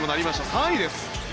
３位です。